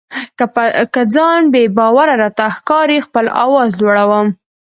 که ځان بې باوره راته ښکاري خپل آواز لوړوم.